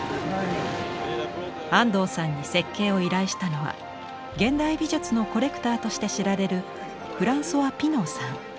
安藤さんに設計を依頼したのは現代美術のコレクターとして知られるフランソワ・ピノーさん。